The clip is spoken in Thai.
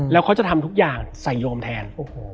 แล้วเขาจะทำทุกอย่างใส่โยมแทน